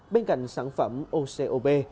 bên cạnh sản phẩm ocob